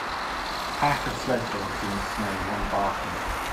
Pack of sled dogs in the snow, one barking.